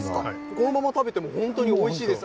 このまま食べても本当においしいです。